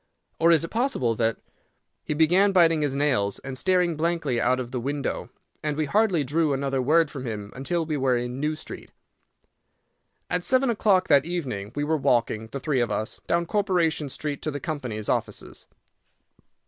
or is it possible that—" He began biting his nails and staring blankly out of the window, and we hardly drew another word from him until we were in New Street. At seven o'clock that evening we were walking, the three of us, down Corporation Street to the company's offices.